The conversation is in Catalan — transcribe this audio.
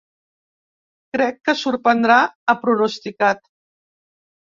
Crec que sorprendrà, ha pronosticat.